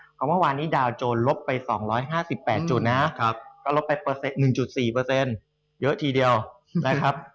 เพราะเมื่อวานนี้ดาวโจรลบไป๒๕๘จุดนะก็ลบไป๑๔เยอะทีเดียวนะครับ